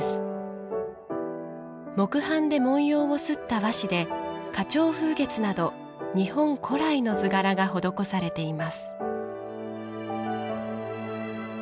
木版で文様を刷った和紙で花鳥風月など日本古来の図柄が施されています。